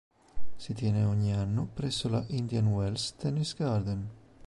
Si tiene ogni anno presso la Indian Wells Tennis Garden.